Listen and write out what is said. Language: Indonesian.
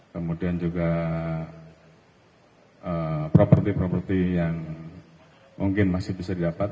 kemudian juga properti properti yang mungkin masih bisa didapat